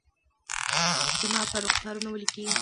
زما پر رخسارونو ولیکلي